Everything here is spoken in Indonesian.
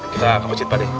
kita ke peciktur deh